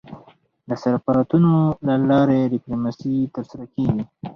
د سفارتونو له لاري ډيپلوماسي ترسره کېږي.